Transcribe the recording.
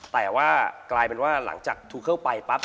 แต่ว่ากลายเป็นว่าหลังจากทูเคิลไปปั๊บ